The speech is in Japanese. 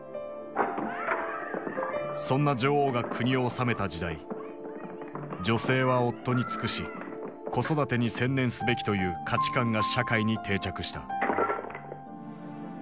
そんな女王が国を治めた時代女性は夫に尽くし子育てに専念すべきという価値観が社会に定着した。